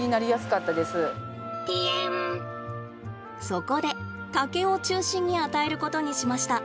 そこで竹を中心に与えることにしました。